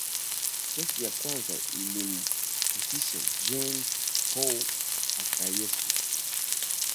kesi ya kwanza ilimhusisha jean paul akayesu